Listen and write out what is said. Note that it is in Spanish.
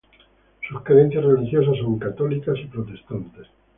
Sus creencias religiosas son católicas y protestantes.